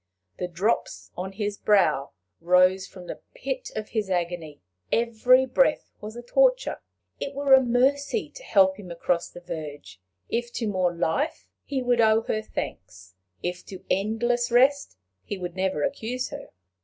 The drops on his brow rose from the pit of his agony; every breath was a torture; it were mercy to help him across the verge; if to more life, he would owe her thanks; if to endless rest, he would never accuse her.